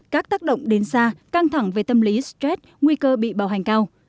các tác động đến xa căng thẳng về tâm lý stress nguy cơ bị bào hành cao